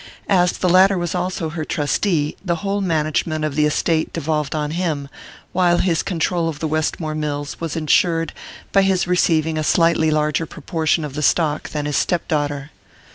As the latter was also her trustee, the whole management of the estate devolved on him, while his control of the Westmore mills was ensured by his receiving a slightly larger proportion of the stock than his step daughter.